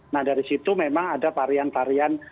nah dari situ memang ada varian varian